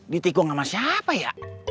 ditikung sama siapa ya